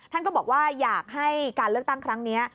ท่านก็บอกว่าอยากให้การเลือกตั้งครั้งนี้